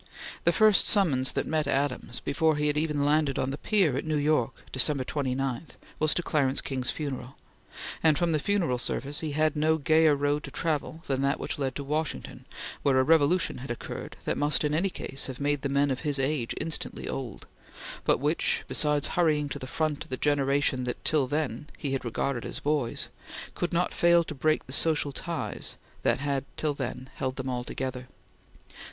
The first summons that met Adams, before he had even landed on the pier at New York, December 29, was to Clarence King's funeral, and from the funeral service he had no gayer road to travel than that which led to Washington, where a revolution had occurred that must in any case have made the men of his age instantly old, but which, besides hurrying to the front the generation that till then he had regarded as boys, could not fail to break the social ties that had till then held them all together.